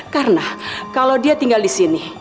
karena kalau dia tinggal di sini